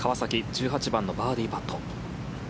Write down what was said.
１８番のバーディーパット。